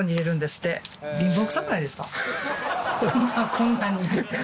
こんなに。